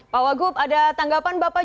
pak wagub ada tanggapan bapak